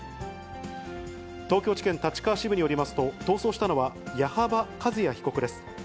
東京地検立川支部によりますと、逃走したのは、矢幅一彌被告です。